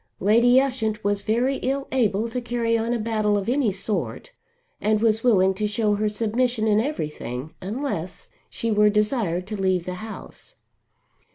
Lady Ushant was very ill able to carry on a battle of any sort and was willing to show her submission in everything, unless she were desired to leave the house.